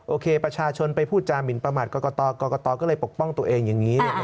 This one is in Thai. ประชาชนไปพูดจามินประมาทกรกตก็เลยปกป้องตัวเองอย่างนี้